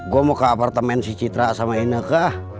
gua mau ke apartemen si citra sama ineke